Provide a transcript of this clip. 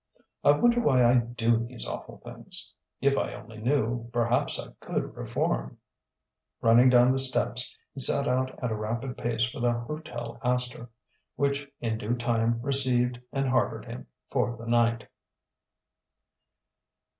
"I wonder why I do these awful things?... If I only knew, perhaps I could reform...." Running down the steps, he set out at a rapid pace for the Hotel Astor; which in due time received and harboured him for the night.